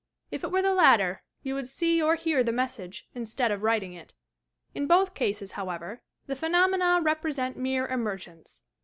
If it were the latter, you would see or hear the message instead of writing it. In both eases, however, the phenomena represent mere "emer gence.